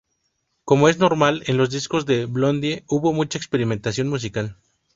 Como es normal en los discos de Blondie, hubo mucha experimentación musical.